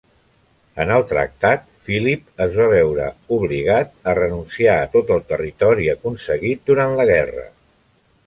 En el tractat, Philip es va veure obligat a renunciar a tot el territori aconseguit durant la guerra.